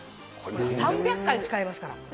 ３００回使えますから。